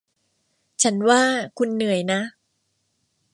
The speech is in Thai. ฉันว่าคุณเหนื่อยนะ